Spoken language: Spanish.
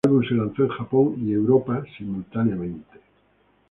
El álbum se lanzó en Japón y Europa simultáneamente.